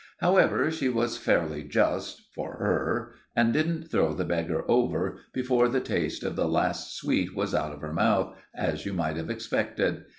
However, she was fairly just—for her, and didn't throw the beggar over before the taste of the last sweet was out of her mouth, as you might have expected.